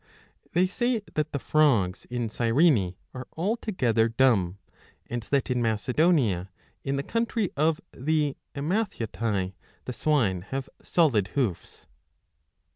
They say that the frogs in Cyrene are altogether dumb, 68 and that in Macedonia, in the country of the Emathiotae, 35 the swine have solid hoofs.